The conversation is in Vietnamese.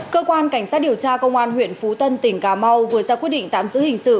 cơ quan cảnh sát điều tra công an huyện phú tân tỉnh cà mau vừa ra quyết định tạm giữ hình sự